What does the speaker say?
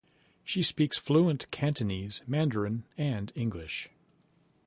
She speaks fluent Cantonese, Mandarin, and English.